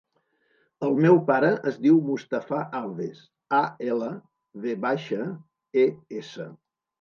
El meu pare es diu Mustafa Alves: a, ela, ve baixa, e, essa.